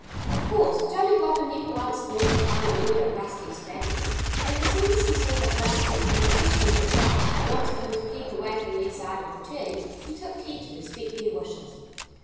Of course, Jolly Robin never once thought of harming any of Rusty's family. And as soon as he saw that Rusty and especially his wife wanted him to keep away from their side of the tree, he took care to respect their wishes.